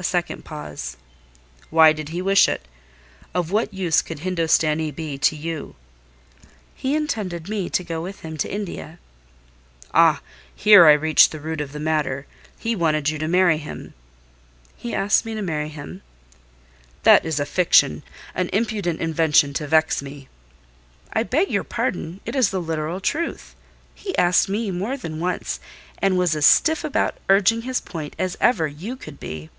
A second pause. "Why did he wish it? Of what use could Hindostanee be to you?" "He intended me to go with him to India." "Ah! here I reach the root of the matter. He wanted you to marry him?" "He asked me to marry him." "That is a fiction—an impudent invention to vex me." "I beg your pardon, it is the literal truth: he asked me more than once, and was as stiff about urging his point as ever you could be."